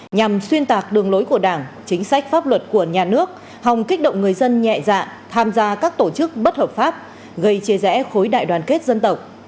nhằm xuyên tạc đường lối của đảng chính sách pháp luật của nhà nước hòng kích động người dân nhẹ dạ tham gia các tổ chức bất hợp pháp gây chia rẽ khối đại đoàn kết dân tộc